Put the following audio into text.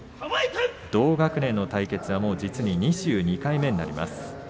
同学年の対決は実に２２回目になります。